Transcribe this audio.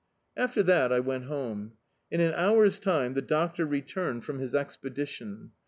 After that I went home. In an hour's time the doctor returned from his expedition.